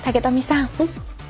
竹富さん。